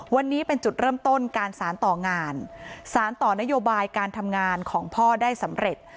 วันนี้เป็นจุดเริ่มต้นการสารต่องานสารต่อนโยบายการทำงานของพ่อได้สำเร็จ